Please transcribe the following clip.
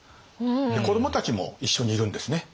子どもたちも一緒にいるんですね。